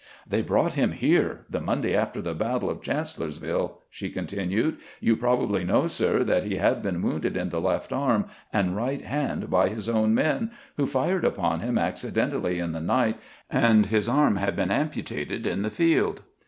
" They brought him here the Monday after the battle of Chancellorsville," she continued. "You probably know, sir, that he had been wounded in the left arm and right hand by his own men, who fired upon him acci dentally in the night, and his arm had been amputated on the field.